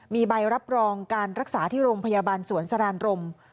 มีใบรับรองการรักษาที่โรงพยาบาลสวนสรานรม